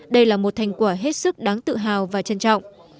đây là một thành quả hết sức đáng tự hào và trân trọng